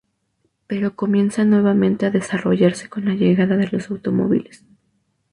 Pero comienza nuevamente a desarrollarse con la llegada de los automóviles.